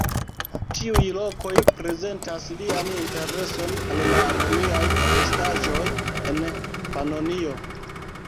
Tiuj lokoj prezentas lian intereson al la romiaj restaĵoj en Panonio.